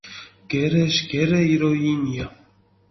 გერეშ გერე ირო იინია